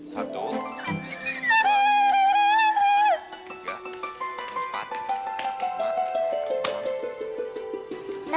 satu dua tiga empat lima dua